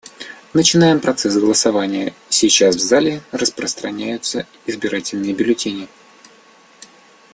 Начинаем процесс голосования; сейчас в зале распространяются избирательные бюллетени.